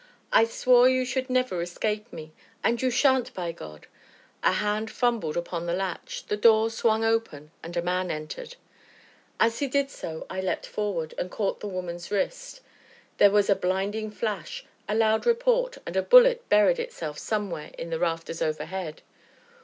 I swore you should never escape me, and you sha'n't by God!" A hand fumbled upon the latch, the door swung open, and a man entered. As he did so I leapt forward, and caught the woman's wrist. There was a blinding flash, a loud report, and a bullet buried itself somewhere in the rafters overhead.